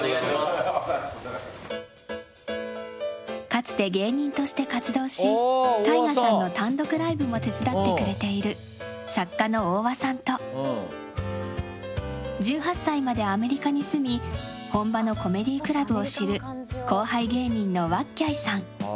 かつて、芸人として活動しＴＡＩＧＡさんの単独ライブも手伝ってくれている作家の大輪さんと１８歳までアメリカに住み本場のコメディークラブを知る後輩芸人のわっきゃいさん。